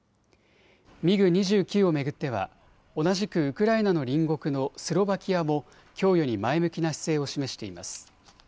ミグ２９を巡っては同じくウクライナの隣国のスロバキアも供与に前向きな姿勢を示しています。